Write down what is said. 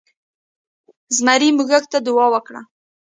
زمري موږک ته دعا وکړه.